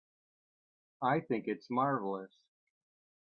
I think it's marvelous.